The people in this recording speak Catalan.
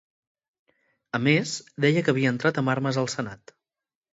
A més, deia que havia entrat amb armes al senat.